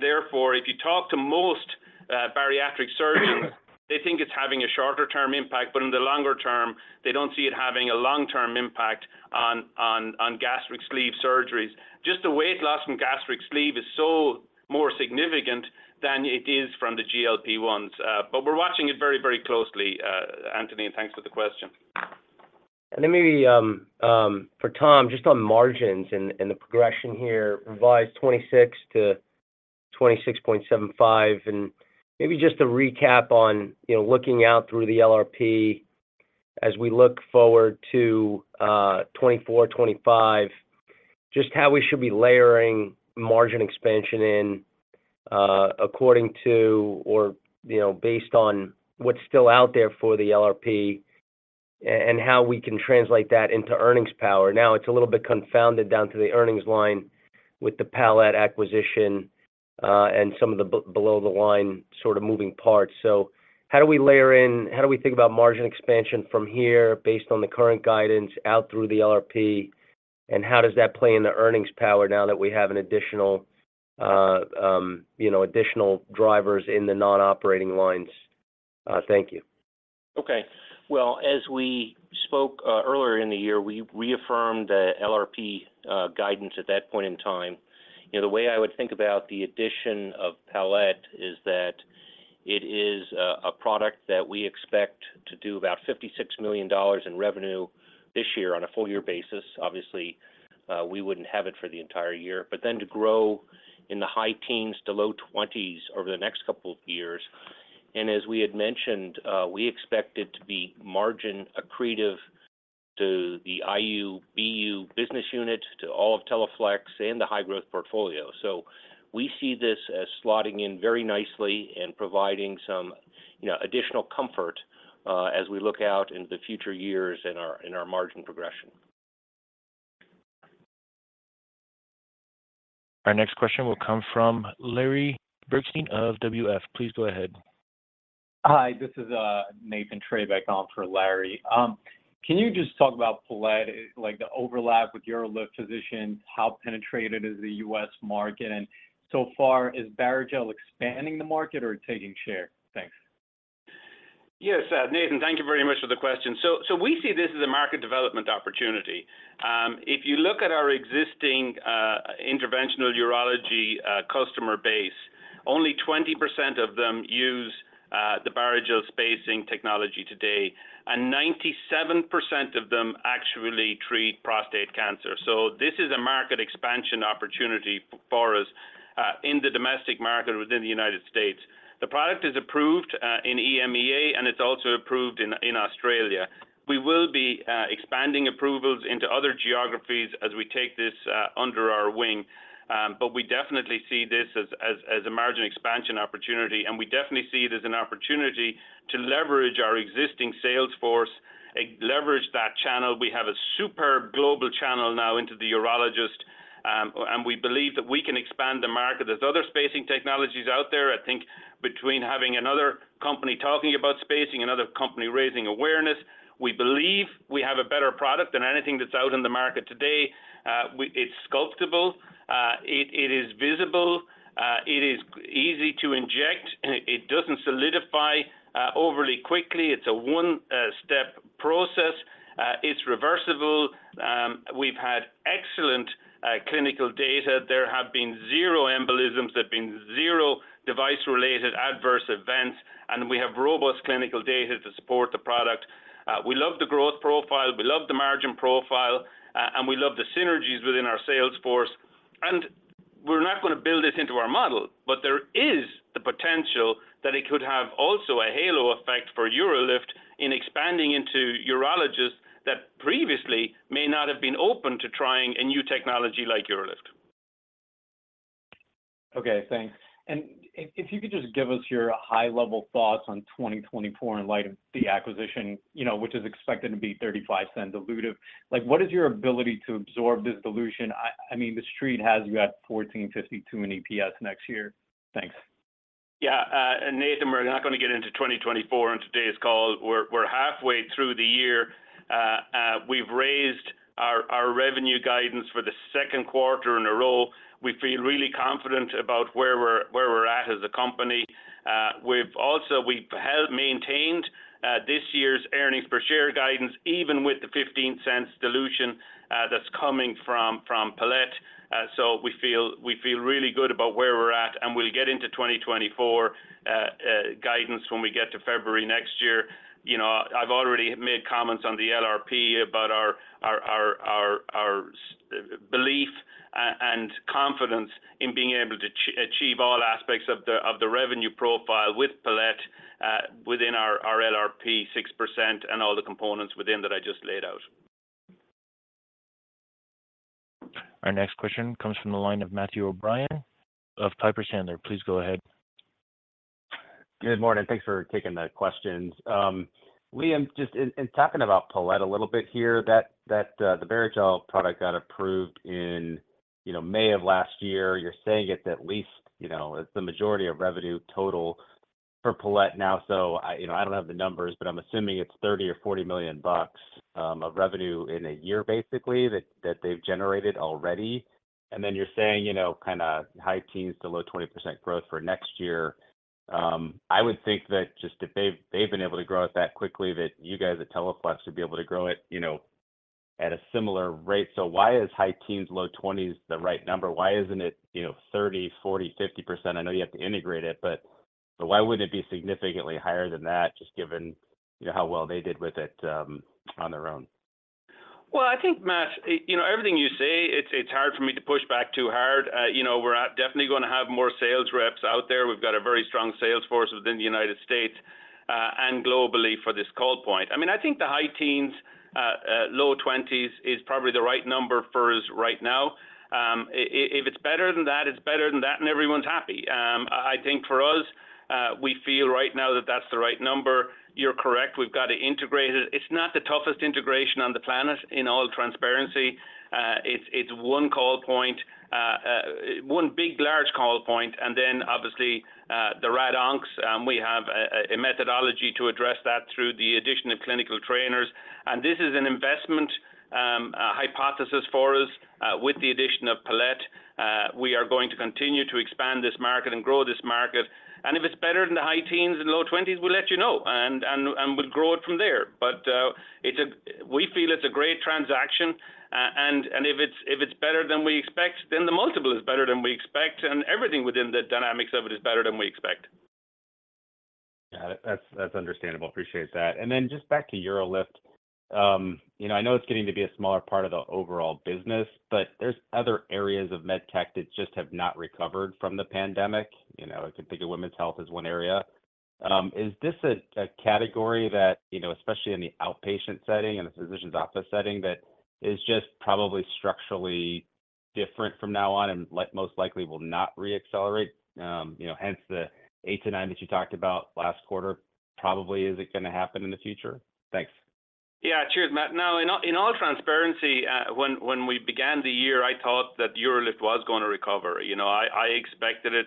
Therefore, if you talk to most bariatric surgeons, they think it's having a shorter-term impact, but in the longer term, they don't see it having a long-term impact on, on, on gastric sleeve surgeries. Just the weight loss from gastric sleeve is so more significant than it is from the GLP-1s. We're watching it very, very closely, Anthony. Thanks for the question. Then maybe, for Tom, just on margins and the progression here, revised 26%-26.75%. Maybe just to recap on, you know, looking out through the LRP as we look forward to 2024, 2025, just how we should be layering margin expansion in, according to or, you know, based on what's still out there for the LRP, and how we can translate that into earnings power. It's a little bit confounded down to the earnings line with the Palette acquisition and some of the below the line sort of moving parts. How do we think about margin expansion from here, based on the current guidance out through the LRP, and how does that play in the earnings power now that we have an additional, you know, additional drivers in the non-operating lines? Thank you. Okay. Well, as we spoke earlier in the year, we reaffirmed the LRP guidance at that point in time. You know, the way I would think about the addition of Palette is that it is a product that we expect to do about $56 million in revenue this year on a full year basis. Obviously, we wouldn't have it for the entire year, but then to grow in the high-teens to low 20% over the next couple of years. As we had mentioned, we expect it to be margin accretive to the IUBU business unit, to all of Teleflex, and the high-growth portfolio. We see this as slotting in very nicely and providing some, you know, additional comfort, as we look out into the future years in our, in our margin progression. Our next question will come from Larry Biegelsen of WF. Please go ahead. Hi, this is Nathan Treybeck on for Larry. Can you just talk about Palette, like the overlap with UroLift position? How penetrated is the U.S. market? So far, is Barrigel expanding the market or taking share? Thanks. Yes, Nathan, thank you very much for the question. We see this as a market development opportunity. If you look at our existing Interventional Urology customer base, only 20% of them use the Barrigel spacing technology today, and 97% of them actually treat prostate cancer. This is a market expansion opportunity for us in the domestic market within the United States. The product is approved in EMEA, and it's also approved in Australia. We will be expanding approvals into other geographies as we take this under our wing. We definitely see this as, as, as a margin expansion opportunity, and we definitely see it as an opportunity to leverage our existing sales force and leverage that channel. We have a superb global channel now into the urologist, and we believe that we can expand the market. There's other spacing technologies out there. I think between having another company talking about spacing, another company raising awareness, we believe we have a better product than anything that's out in the market today. It's sculptable, it, it is visible, it is easy to inject, and it doesn't solidify overly quickly. It's a one step process. It's reversible. We've had excellent clinical data. There have been zero embolisms, there have been zero device-related adverse events, and we have robust clinical data to support the product. We love the growth profile, we love the margin profile, and we love the synergies within our sales force. We're not going to build this into our model, but there is the potential that it could have also a halo effect for UroLift in expanding into urologists that previously may not have been open to trying a new technology like UroLift. Okay, thanks. If you could just give us your high-level thoughts on 2024 in light of the acquisition, you know, which is expected to be $0.35 dilutive. Like, what is your ability to absorb this dilution? I mean, the street has you at $14.52 in EPS next year. Thanks. Yeah, Nathan, we're not gonna get into 2024 on today's call. We're, we're halfway through the year. We've raised our, our revenue guidance for the second quarter in a row. We feel really confident about where we're, where we're at as a company. We have maintained this year's earnings per share guidance, even with the $0.15 dilution that's coming from, from Palette. We feel, we feel really good about where we're at, and we'll get into 2024 guidance when we get to February next year. You know, I've already made comments on the LRP about our belief and confidence in being able to achieve all aspects of the, of the revenue profile with Palette, within our LRP, 6%, and all the components within that I just laid out. Our next question comes from the line of Matthew O'Brien of Piper Sandler. Please go ahead. Good morning. Thanks for taking the questions. Liam, just in, in talking about Palette a little bit here, that, that, the Barrigel product got approved in, you know, May of last year. You're saying it's at least, you know, it's the majority of revenue total for Palette now. I, you know, I don't have the numbers, but I'm assuming it's $30 million or $40 million of revenue in a year, basically, that, that they've generated already. Then you're saying, you know, kinda high-teens to low 20% growth for next year. I would think that just if they've, they've been able to grow it that quickly, that you guys at Teleflex would be able to grow it, you know, at a similar rate. Why is high-teens, low 20s the right number? Why isn't it, you know, 30%, 40%, 50%? I know you have to integrate it, but why wouldn't it be significantly higher than that, just given, you know, how well they did with it, on their own? Well, I think, Matt, you know, everything you say, it's, it's hard for me to push back too hard. you know, we're definitely gonna have more sales reps out there. We've got a very strong sales force within the United States, and globally for this call point. I mean, I think the high teens, low 20s is probably the right number for us right now. if it's better than that, it's better than that, and everyone's happy. I think for us, we feel right now that that's the right number. You're correct, we've got to integrate it. It's not the toughest integration on the planet, in all transparency. It's, it's one call point, one big, large call point, obviously, the rad oncs, we have a methodology to address that through the addition of clinical trainers. This is an investment hypothesis for us. With the addition of Palette, we are going to continue to expand this market and grow this market. If it's better than the high teens and low 20s, we'll let you know, and we'll grow it from there. We feel it's a great transaction. If it's better than we expect, then the multiple is better than we expect, and everything within the dynamics of it is better than we expect. Got it. That's, that's understandable. Appreciate that. And then just back to UroLift. You know, I know it's getting to be a smaller part of the overall business, but there's other areas of med tech that just have not recovered from the pandemic. You know, I could think of women's health as one area. Is this a, a category that, you know, especially in the outpatient setting and the physician's office setting, that is just probably structurally different from now on and like, most likely will not re-accelerate? You know, hence the 8-9 that you talked about last quarter, probably, is it gonna happen in the future? Thanks. Yeah, cheers, Matt. In all, in all transparency, when, when we began the year, I thought that UroLift was gonna recover. You know, I, I expected it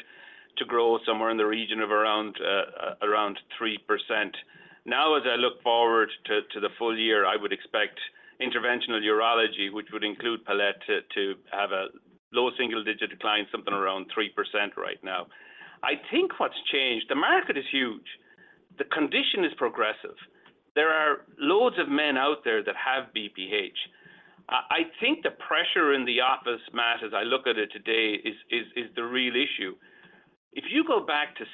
to grow somewhere in the region of around 3%. As I look forward to, to the full year, I would expect Interventional Urology, which would include Palette, to, to have a low single-digit decline, something around 3% right now. I think what's changed, the market is huge. The condition is progressive. There are loads of men out there that have BPH. I think the pressure in the office, Matt, as I look at it today, is, is, is the real issue. If you go back to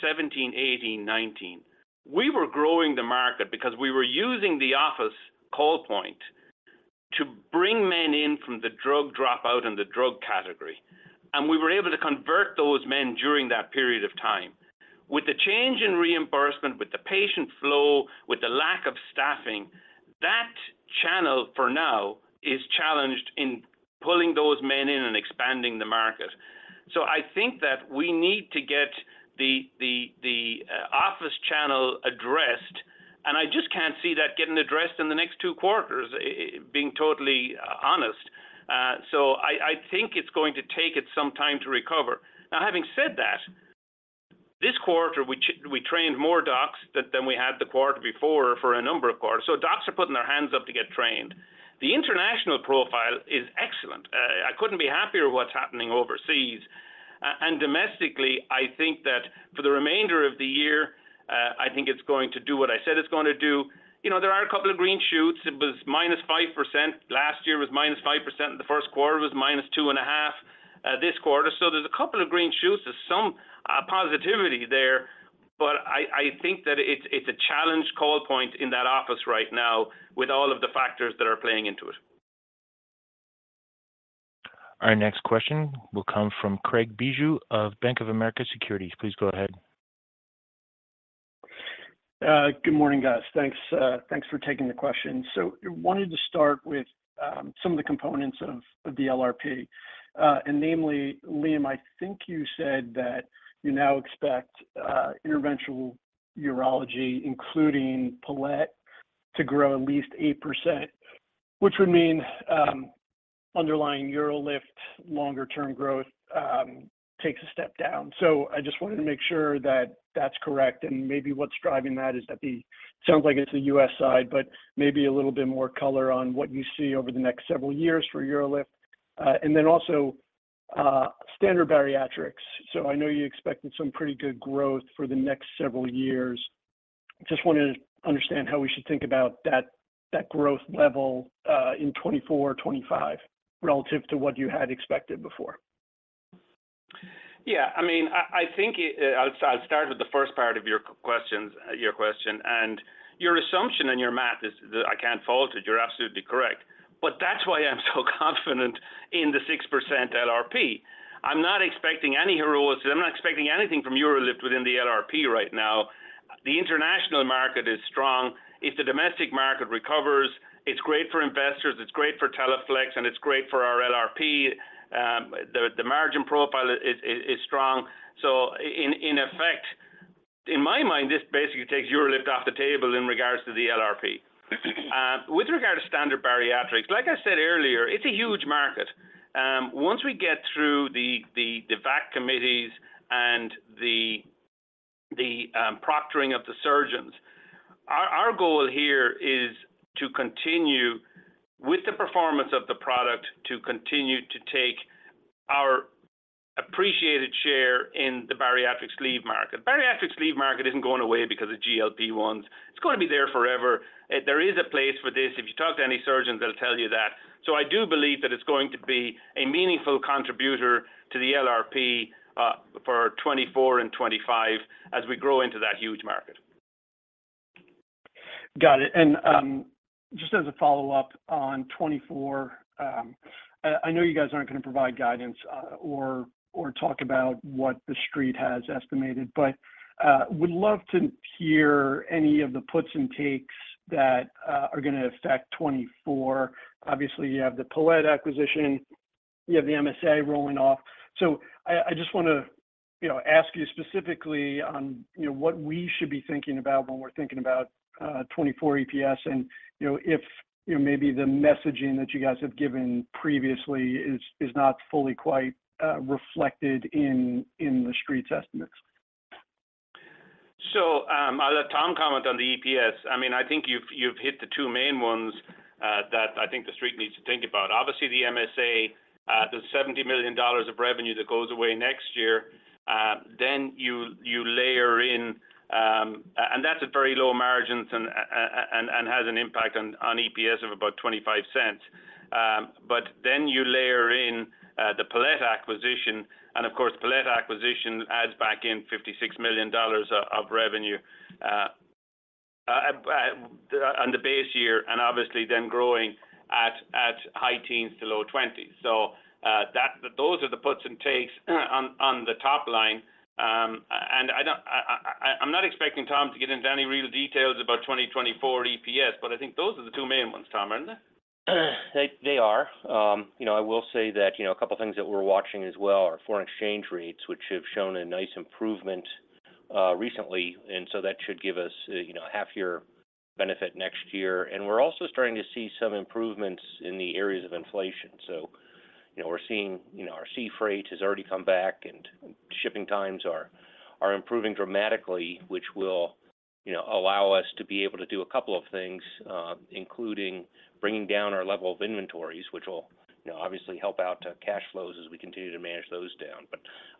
17, 18, 19, we were growing the market because we were using the office call point to bring men in from the drug dropout and the drug category, and we were able to convert those men during that period of time. With the change in reimbursement, with the patient flow, with the lack of staffing, that channel, for now, is challenged in pulling those men in and expanding the market. I think that we need to get the, the, the office channel addressed, and I just can't see that getting addressed in the next two quarters, being totally honest. I think it's going to take it some time to recover. Now, having said that, this quarter, we trained more docs than, than we had the quarter before for a number of quarters. Docs are putting their hands up to get trained. The international profile is excellent. I couldn't be happier with what's happening overseas. Domestically, I think that for the remainder of the year, I think it's going to do what I said it's gonna do. You know, there are a couple of green shoots. It was -5%. Last year, it was -5%, and the first quarter was -2.5% this quarter. There's a couple of green shoots. There's some positivity there, but I, I think that it's, it's a challenged call point in that office right now with all of the factors that are playing into it. Our next question will come from Craig Bijou of Bank of America Securities. Please go ahead. Good morning, guys. Thanks, thanks for taking the question. I wanted to start with some of the components of the LRP. Namely, Liam, I think you said that you now expect Interventional Urology, including Palette, to grow at least 8%, which would mean underlying UroLift longer-term growth takes a step down. I just wanted to make sure that that's correct, and maybe what's driving that is that sounds like it's the U.S. side, but maybe a little bit more color on what you see over the next several years for UroLift. Then also, Standard Bariatrics. I know you expected some pretty good growth for the next several years. Just wanted to understand how we should think about that, that growth level, in 2024, 2025, relative to what you had expected before. I mean, I think I'll start with the first part of your questions, your question. Your assumption and your math is, I can't fault it. You're absolutely correct. That's why I'm so confident in the 6% LRP. I'm not expecting any heroism. I'm not expecting anything from UroLift within the LRP right now. The international market is strong. If the domestic market recovers, it's great for investors, it's great for Teleflex, and it's great for our LRP. The margin profile is strong. In effect, in my mind, this basically takes UroLift off the table in regards to the LRP. With regard to Standard Bariatrics, like I said earlier, it's a huge market. Once we get through the VAC committees and the proctoring of the surgeons, our goal here is to continue with the performance of the product, to continue to take our appreciated share in the bariatric sleeve market. Bariatric sleeve market isn't going away because of GLP-1. It's gonna be there forever. There is a place for this. If you talk to any surgeons, they'll tell you that. I do believe that it's going to be a meaningful contributor to the LRP for 2024 and 2025 as we grow into that huge market. Got it. Just as a follow-up on 2024, I know you guys aren't gonna provide guidance, or talk about what the street has estimated. Would love to hear any of the puts and takes that are gonna affect 2024. Obviously, you have the Palette acquisition, you have the MSA rolling off. I, I just wanna, you know, ask you specifically on, you know, what we should be thinking about when we're thinking about 2024 EPS. You know, if, you know, maybe the messaging that you guys have given previously is not fully quite reflected in the street's estimates. I'll let Tom comment on the EPS. I mean, I think you've, you've hit the two main ones that I think the street needs to think about. Obviously, the MSA, the $70 million of revenue that goes away next year, then you, you layer in... And that's a very low margins and, and has an impact on, on EPS of about $0.25. Then you layer in the Palette acquisition, and of course, Palette acquisition adds back in $56 million of revenue on the base year, and obviously then growing at high-teens to low 20% range. Those are the puts and takes on the top line. I'm not expecting Tom to get into any real details about 2024 EPS, but I think those are the two main ones, Tom, aren't they? They, they are. You know, I will say that, you know, a couple of things that we're watching as well are foreign exchange rates, which have shown a nice improvement, recently, and so that should give us, you know, a half year benefit next year. We're also starting to see some improvements in the areas of inflation. You know, we're seeing, you know, our sea freight has already come back, and shipping times are, are improving dramatically, which will, you know, allow us to be able to do a couple of things, including bringing down our level of inventories, which will, you know, obviously help out cash flows as we continue to manage those down.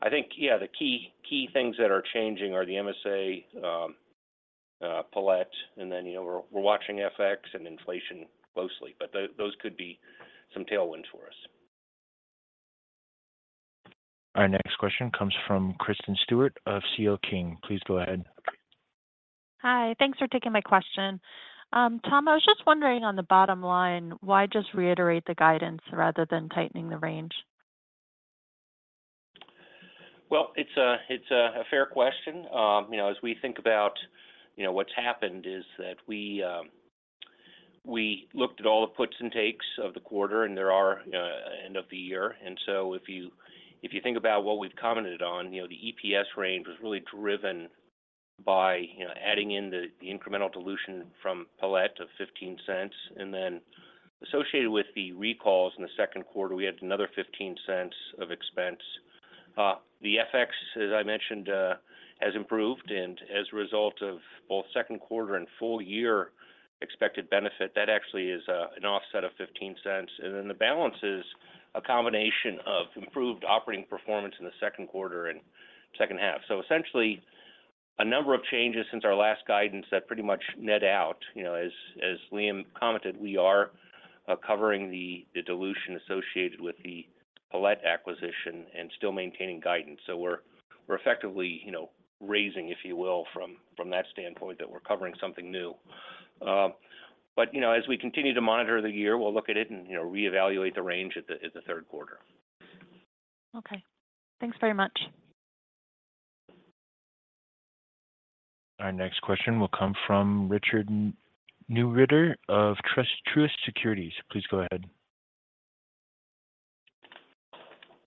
I think, yeah, the key, key things that are changing are the MSA, Palette, and then, you know, we're watching FX and inflation closely, but those could be some tailwinds for us. Our next question comes from Kristen Stewart of CL King. Please go ahead. Hi, thanks for taking my question. Tom, I was just wondering on the bottom line, why just reiterate the guidance rather than tightening the range? Well, it's a, it's a, a fair question. you know, as we think about, you know, what's happened is that we, we looked at all the puts and takes of the quarter, and there are, end of the year. So if you, if you think about what we've commented on, you know, the EPS range was really driven by, you know, adding in the, the incremental dilution from Palette of $0.15, and then associated with the recalls in the second quarter, we had another $0.15 of expense. The FX, as I mentioned, has improved, and as a result of both second quarter and full year expected benefit, that actually is, an offset of $0.15. Then the balance is a combination of improved operating performance in the second quarter and second half. Essentially, a number of changes since our last guidance that pretty much net out. As Liam commented, we are covering the dilution associated with the Palette acquisition and still maintaining guidance. We're effectively raising, if you will, from that standpoint, that we're covering something new. As we continue to monitor the year, we'll look at it and reevaluate the range at the, in the third quarter. Okay. Thanks very much. Our next question will come from Richard Newitter of Truist Securities. Please go ahead.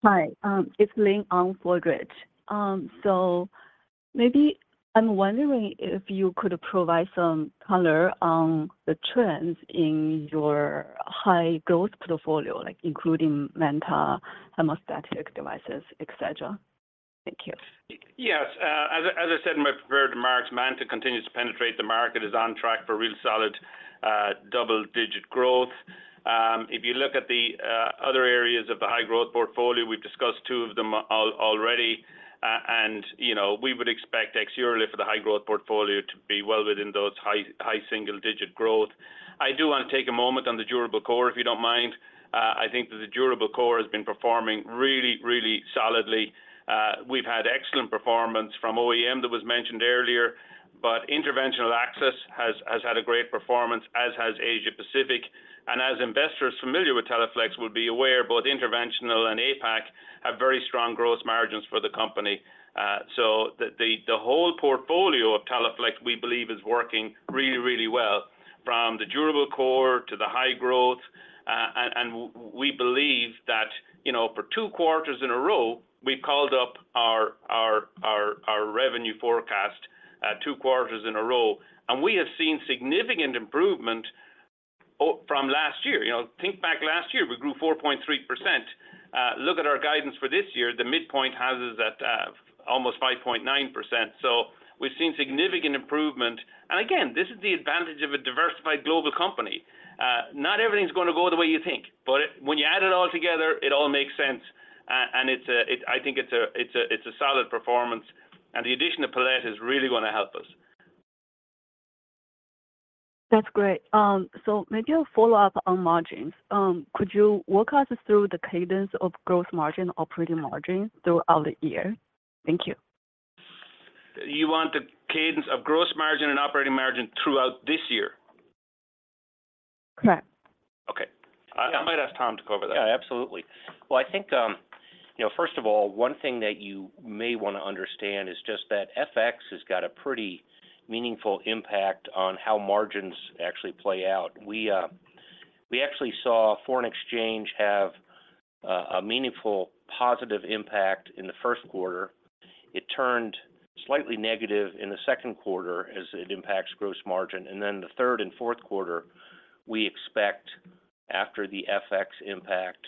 Hi, it's Ling on for Rich. Maybe I'm wondering if you could provide some color on the trends in your high-growth portfolio, like including MANTA, hemostatic devices, et cetera. Thank you. Yes, as I said in my prepared remarks, MANTA continues to penetrate. The market is on track for real solid double-digit growth. If you look at the other areas of the high-growth portfolio, we've discussed two of them already. You know, we would expect externally for the high-growth portfolio to be well within those high, high single-digit growth. I do want to take a moment on the durable core, if you don't mind. I think that the durable core has been performing really, really solidly. We've had excellent performance from OEM that was mentioned earlier, Interventional Access has had a great performance, as has Asia-Pacific. As investors familiar with Teleflex would be aware, both Interventional and APAC have very strong gross margins for the company. The whole portfolio of Teleflex, we believe, is working really, really well, from the durable core to the high-growth. We believe that, you know, for two quarters in a row, we've called up our, our, our, our revenue forecast, two quarters in a row, and we have seen significant improvement from last year. You know, think back last year, we grew 4.3%. Look at our guidance for this year, the midpoint has us at almost 5.9%. We've seen significant improvement. Again, this is the advantage of a diversified global company. Not everything's going to go the way you think, but it. When you add it all together, it all makes sense. It's a, I think it's a, it's a, it's a solid performance, and the addition of Palette is really going to help us. That's great. maybe a follow-up on margins. could you walk us through the cadence of gross margin, operating margin throughout the year? Thank you. You want the cadence of gross margin and operating margin throughout this year? Correct. Okay. Yeah. I might ask Tom to cover that. Yeah, absolutely. Well, I think, you know, first of all, one thing that you may want to understand is just that FX has got a pretty meaningful impact on how margins actually play out. We actually saw foreign exchange have a meaningful positive impact in the first quarter. It turned slightly negative in the second quarter as it impacts gross margin, and then the third and fourth quarter, we expect after the FX impact,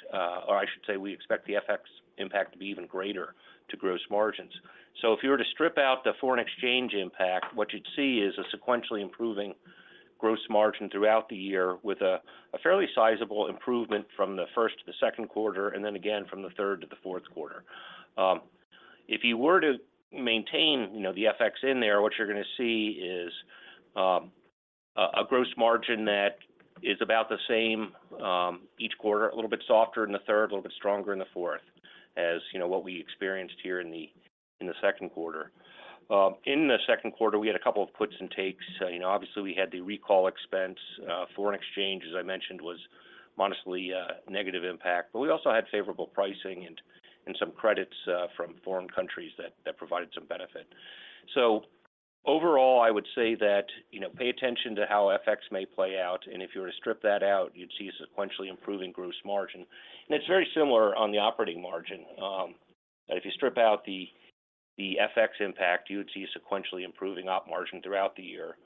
or I should say, we expect the FX impact to be even greater to gross margins. If you were to strip out the foreign exchange impact, what you'd see is a sequentially improving gross margin throughout the year, with a fairly sizable improvement from the first to the second quarter, and then again from the third to the fourth quarter. If you were to maintain, you know, the FX in there, what you're going to see is a gross margin that is about the same each quarter, a little bit softer in the third, a little bit stronger in the fourth, as, you know, what we experienced here in the second quarter. In the second quarter, we had a couple of puts and takes. You know, obviously, we had the recall expense. Foreign exchange, as I mentioned, was modestly negative impact, but we also had favorable pricing and some credits from foreign countries that provided some benefit. Overall, I would say that, you know, pay attention to how FX may play out, and if you were to strip that out, you'd see a sequentially improving gross margin. It's very similar on the operating margin. If you strip out the FX impact, you would see sequentially improving op margin throughout the year.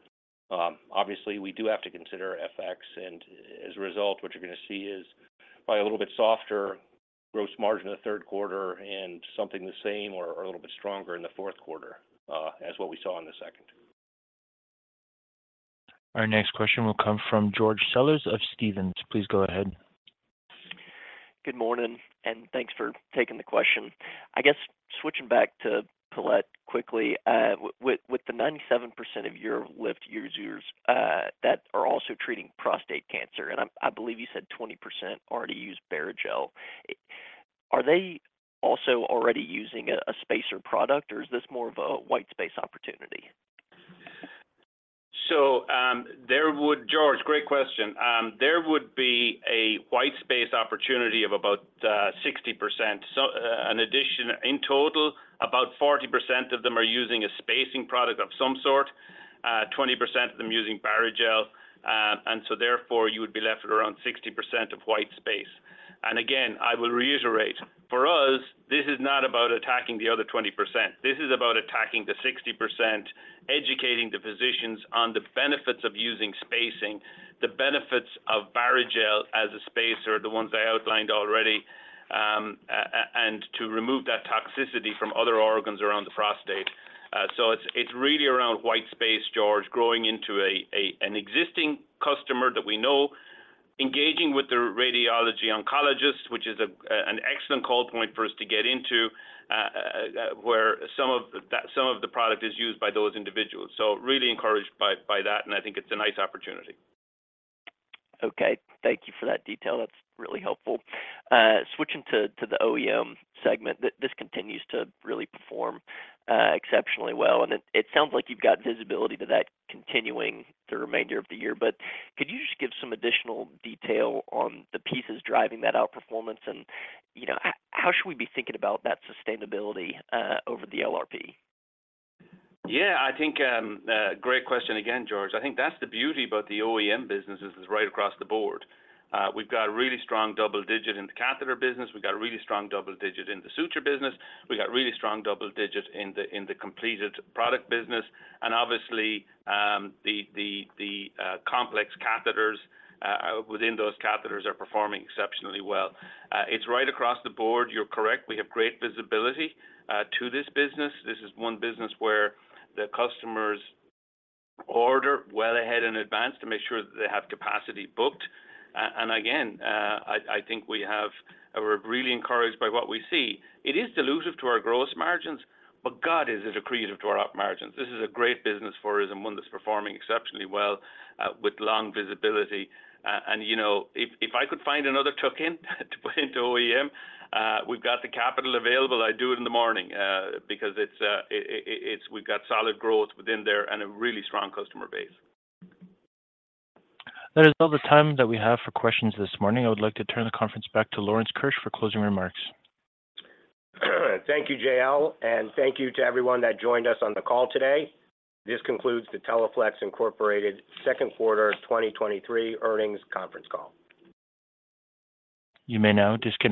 Obviously, we do have to consider FX, and as a result, what you're going to see is probably a little bit softer gross margin in the third quarter and something the same or a little bit stronger in the fourth quarter as what we saw in the second. Our next question will come from George Sellers of Stephens. Please go ahead. Good morning, thanks for taking the question. I guess switching back to Palette quickly, with the 97% of UroLift users that are also treating prostate cancer, I believe you said 20% already use Barrigel. Are they also already using a spacer product, or is this more of a white space opportunity? George, great question. There would be a white space opportunity of about 60%. In addition, in total, about 40% of them are using a spacing product of some sort, 20% of them using Barrigel, and so therefore, you would be left with around 60% of white space. I will reiterate, for us, this is not about attacking the other 20%. This is about attacking the 60%, educating the physicians on the benefits of using spacing, the benefits of Barrigel as a spacer, the ones I outlined already, and to remove that toxicity from other organs around the prostate. It's, it's really around white space, George, growing into an existing customer that we know, engaging with the radiology oncologist, which is an excellent call point for us to get into, where the product is used by those individuals. Really encouraged by that, and I think it's a nice opportunity. Okay, thank you for that detail. That's really helpful. Switching to the OEM segment, this continues to really perform exceptionally well, and it, it sounds like you've got visibility to that continuing the remainder of the year. Could you just give some additional detail on the pieces driving that outperformance? You know, how should we be thinking about that sustainability over the LRP? Yeah, I think, great question again, George. I think that's the beauty about the OEM business is, is right across the board. We've got a really strong double-digit in the catheter business. We've got a really strong double-digit in the suture business. We got really strong double-digit in the, in the completed product business. The complex catheters within those catheters are performing exceptionally well. It's right across the board. You're correct. We have great visibility to this business. This is one business where the customers order well ahead in advance to make sure that they have capacity booked. I think we're really encouraged by what we see. It is dilutive to our gross margins, but God, is it accretive to our op margins. This is a great business for us and one that's performing exceptionally well, with long visibility. You know, if, if I could find another token to put into OEM, we've got the capital available, I'd do it in the morning, because it's we've got solid growth within there and a really strong customer base. That is all the time that we have for questions this morning. I would like to turn the conference back to Lawrence Keusch for closing remarks. Thank you, J.L., and thank you to everyone that joined us on the call today. This concludes the Teleflex Incorporated second quarter 2023 earnings conference call. You may now disconnect.